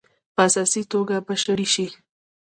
په اساسي توګه بشپړې شي.